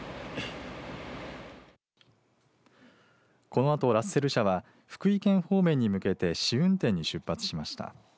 このあと、ラッセル車は福井県方面に向けて試運転に出発しました。